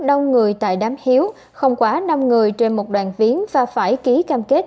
đông người tại đám hiếu không quá năm người trên một đoàn viến và phải ký cam kết